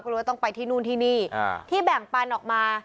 ก็เลยต้องไปที่นู่นที่นี่ที่แบ่งปันออกมา